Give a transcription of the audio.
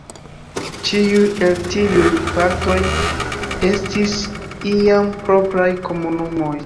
Ĉiuj el tiuj partoj estis iam propraj komunumoj.